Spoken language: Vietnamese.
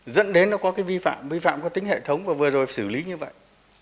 dẫn đến nó có cái vi phạm vi phạm có tính hệ thống và vừa rồi xử lý như vậy